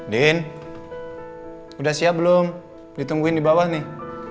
dean udah siap belum ditungguin di bawah nih